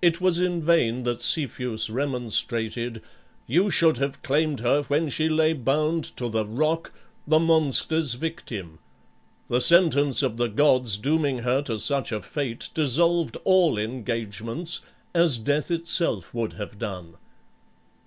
It was in vain that Cepheus remonstrated "You should have claimed her when she lay bound to the rock, the monster's victim. The sentence of the gods dooming her to such a fate dissolved all engagements, as death itself would have done."